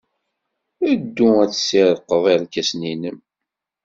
Ddu ad tessirrqeḍ irkasen-nnem!